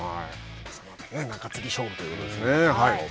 中継ぎ勝負ということですね。